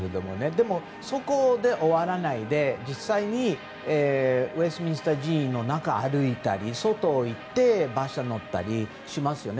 でも、そこで終わらないで実際にウェストミンスター寺院の中を歩いたり外に行って馬車に乗ったりしますよね。